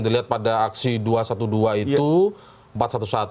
dilihat pada aksi dua ratus dua belas itu